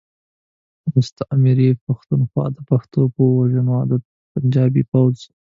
د مستعمرې پختونخوا د پښتنو په وژنو عادت پنجابی فوځ.